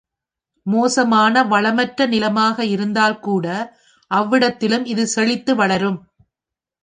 மோசமான வளமற்ற நிலமாக இருந்தால் கூட அவ்விடத்திலும் இது செழித்து வளரும்.